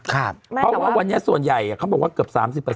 เพราะว่าวันนี้ส่วนใหญ่เขาบอกว่าเกือบ๓๐